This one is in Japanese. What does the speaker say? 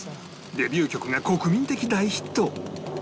デビュー曲が国民的大ヒット